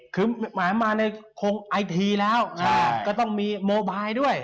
คือมาในโครงไอทีแล้วก็ต้องมีโมไบด้วย